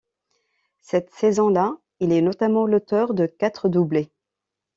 Cette saison là, il est notamment l'auteur de quatre doublés.